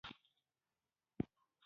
پرون مې پلار د وړو کندو بېځايه کاوه.